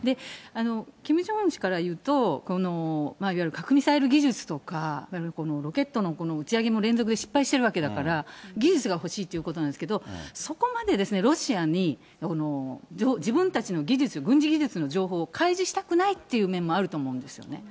キム・ジョンウン氏から言うと、いわゆる核・ミサイル技術とかいわゆるロケットの打ち上げも連続で失敗しているわけだから、技術が欲しいっていうことなんですけれども、そこまでロシアに自分たちの技術、軍事技術の情報を開示したくないっていう面もあると思うんですよね。